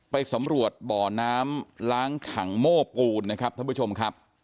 ไปสำรวจบ่อน้ำล้างถังโม้ปูนนะครับท่านผู้ชมครับ